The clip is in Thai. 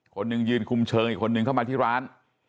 คนหนึ่งยืนคุมเชิงอีกคนนึงเข้ามาที่ร้าน